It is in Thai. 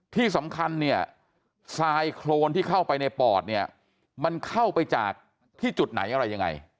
ที่สำคัญเนี่ยทรายโครนที่เข้าไปในปอดเนี่ยมันเข้าไปจากที่จุดไหนอะไรยังไง